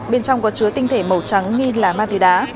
bên trong có chứa tinh thể màu trắng nghi là ma túy đá